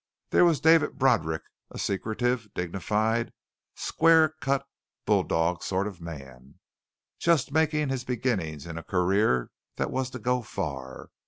There was David Broderick, a secretive, dignified, square cut, bulldog sort of a man, just making his beginning in a career that was to go far.